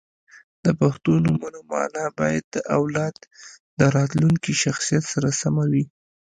• د پښتو نومونو مانا باید د اولاد د راتلونکي شخصیت سره سمه وي.